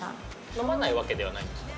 飲まないわけではないんですか？